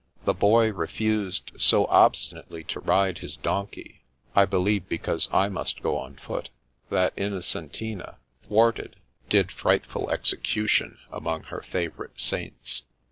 The Boy refused so obstinately to ride his donkey ( I believe because I must go on foot) , that Innocentina, thwarted, did frightful execution among her favour ite saints.